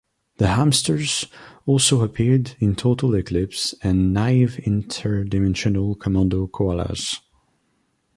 The Hamsters also appeared in Total Eclipse and "Naive Inter-Dimensional Commando Koalas".